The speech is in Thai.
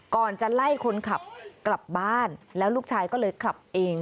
ก่อนจะไล่คนขับกลับบ้านแล้วลูกชายก็เลยขับเอง